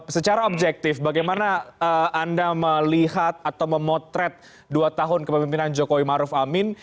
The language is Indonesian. secara objektif bagaimana anda melihat atau memotret dua tahun kepemimpinan jokowi maruf amin